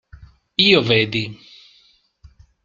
Io, vedi.